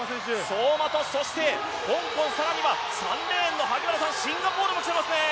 相馬と香港、さらには３レーンのシンガポールもきてますね。